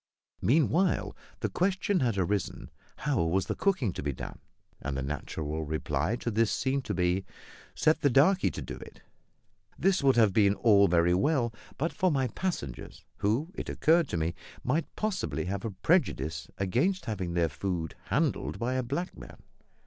Meanwhile the question had arisen, "How was the cooking to be done?" and the natural reply to this seemed to be, "Set the darkie to do it." This would have been all very well but for my passengers, who, it occurred to me, might possibly have a prejudice against having their food handled by a black man.